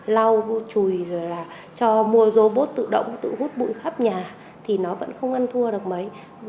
lau chùi rồi là cho mua dô bốt tự động tự hút bụi khắp nhà thì nó vẫn không ăn thua được mấy